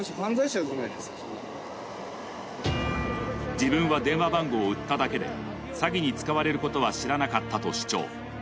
自分は電話番号を売っただけで詐欺に使われることは知らなかったと主張。